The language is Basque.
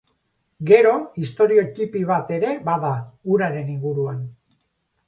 Gero, istorio ttipi bat ere bada, uraren inguruan.